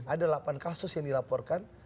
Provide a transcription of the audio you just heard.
ada delapan kasus yang dilaporkan